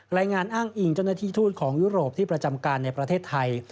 อ้างอิงเจ้าหน้าที่ทูตของยุโรปที่ประจำการในประเทศไทย